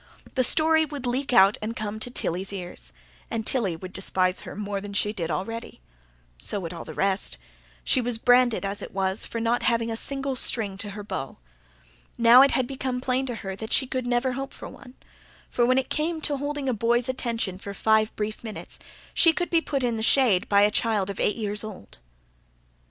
The story would leak out and come to Tilly's ears; and Tilly would despise her more than she did already. So would all the rest. She was branded, as it was, for not having a single string to her bow. Now, it had become plain to her that she could never hope for one; for, when it came to holding a boy's attention for five brief minutes, she could be put in the shade by a child of eight years old.